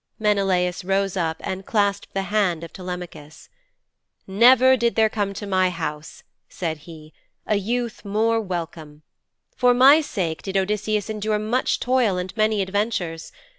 Menelaus rose up and clasped the hand of Telemachus. 'Never did there come to my house,' said he, 'a youth more welcome. For my sake did Odysseus endure much toil and many adventures.